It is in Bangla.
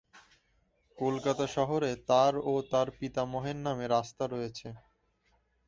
কলকাতা শহরে তার ও তার পিতামহের নামে রাস্তা রয়েছে।